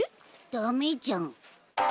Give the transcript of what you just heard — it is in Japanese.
ダメじゃん。